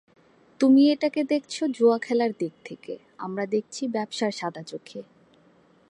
তুমি এটাকে দেখছ জুয়োখেলার দিক থেকে, আমরা দেখছি ব্যবসার সাদা চোখে।